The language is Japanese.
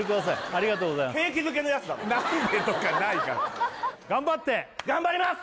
ありがとうございます景気づけのやつだから「何で」とかないから頑張って頑張ります！